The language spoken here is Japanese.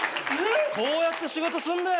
こうやって仕事すんだよ。